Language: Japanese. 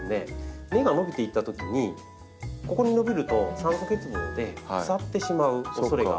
根が伸びていったときにここに伸びると酸素欠乏で腐ってしまうおそれがあるんですね。